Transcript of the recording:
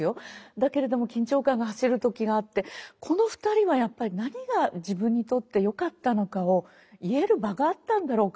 だけれども緊張感が走る時があってこの２人はやっぱり何が自分にとってよかったのかを言える場があったんだろうか。